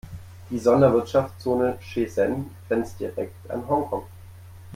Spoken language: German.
Die Sonderwirtschaftszone Shenzhen grenzt direkt an Hongkong.